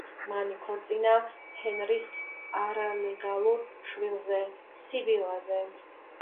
მან იქორწინა ჰენრის არალეგალურ შვილზე, სიბილაზე.